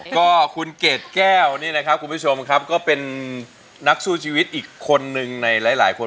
ก็คุณเกดแก้วนี่นะครับคุณผู้ชมครับก็เป็นนักสู้ชีวิตอีกคนนึงในหลายคน